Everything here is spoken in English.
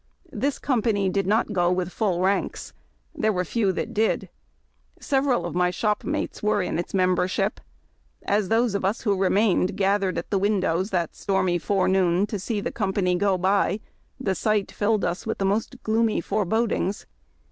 This company did not go with full ranks. There were few that did. Several of my shopmates were in its membership. As THE TOCSIN OF WAR. 29 those of lis who remained gatliered at the windows that stormy forenoon to see tlie company go by, the siglit filled us with tlie most gloomy forebodings.